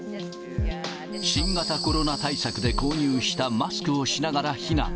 新型コロナ対策で購入したマスクをしながら避難。